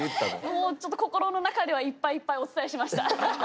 もうちょっと心の中ではいっぱいいっぱいお伝えしました。